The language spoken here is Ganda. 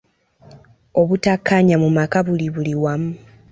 Obutakkaanya mu maka buli buli wamu.